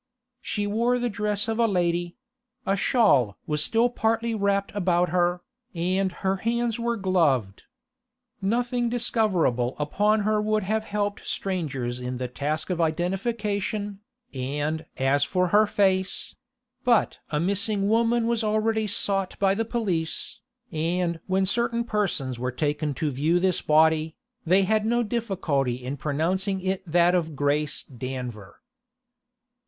She wore the dress of a lady; a shawl was still partly wrapped about her, and her hands were gloved. Nothing discoverable upon her would have helped strangers in the task of identification, and as for her face—But a missing woman was already sought by the police, and when certain persons were taken to view this body, they had no difficulty in pronouncing it that of Grace Danver.